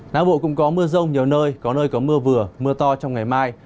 não bộ cũng có mưa rông nhiều nơi có nơi có mưa vừa mưa to trong ngày mai